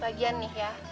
bagian nih ya